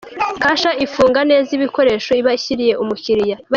Kasha ifunga neza ibikoresho iba ishyiriye umukiriya.